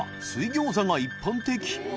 餃子が一般的磴